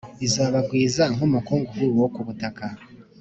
izabagwiza nk’umukungugu wo ku butaka,